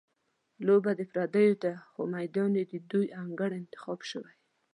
لوبه د پردیو ده، خو میدان یې د دوی انګړ انتخاب شوی.